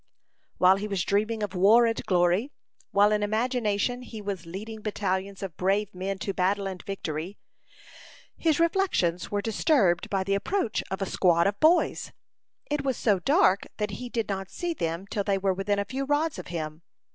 While he was dreaming of war and glory, while in imagination he was leading battalions of brave men to battle and victory, his reflections were disturbed by the approach of a squad of boys. It was so dark that he did not see them till they were within a few rods of him.